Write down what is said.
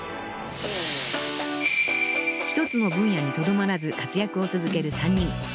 ［１つの分野にとどまらず活躍を続ける３人］